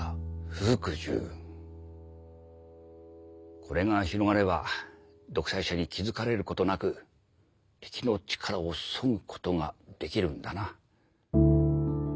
これが広がれば独裁者に気付かれることなく敵の力をそぐことができるんだな。